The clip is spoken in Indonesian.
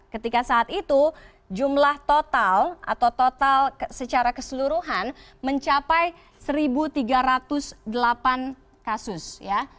ketika saat itu jumlah total atau total secara keseluruhan mencapai satu tiga ratus delapan kasus ya